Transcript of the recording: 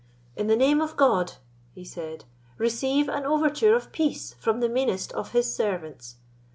"In the name of God," he said, "receive an overture of peace from the meanest of His servants.